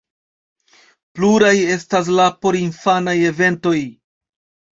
Pluraj estas la porinfanaj eventoj.